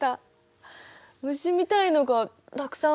虫みたいのがたくさん張り付いてる。